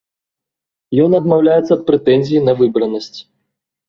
Ён адмаўляецца ад прэтэнзій на выбранасць.